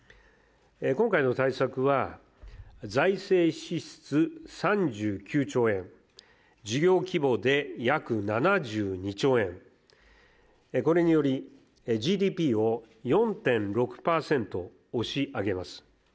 今回の対策は、財政支出３９兆円、事業規模で約７２兆円、これにより、ＧＤＰを４．６％押し上げます。